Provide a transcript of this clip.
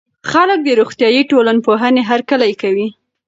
خلګ د روغتيائي ټولنپوهنې هرکلی کوي.